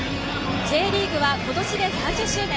Ｊリーグはことしで３０周年。